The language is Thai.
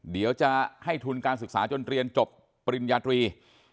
เดี๋ยวจะให้ทุนการศึกษาจนเรียนจบปริญญาตรี